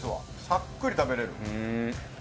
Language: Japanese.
さっくり食べれる。